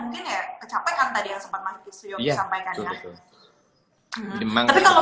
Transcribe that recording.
mungkin ya kecapekan tadi yang sempat mas yofi sampaikan